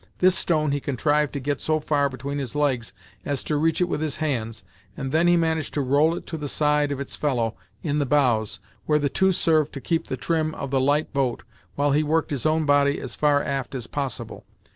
This stone he contrived to get so far between his legs as to reach it with his hands, and then he managed to roll it to the side of its fellow in the bows, where the two served to keep the trim of the light boat, while he worked his own body as far aft as possible.